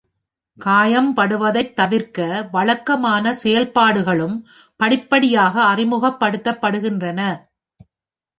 காயம்படுவதைத் தவிர்க்க வழக்கமான செயல்பாடுகளும் படிப்படியாக அறிமுகப் படுத்தப்படுகின்றன.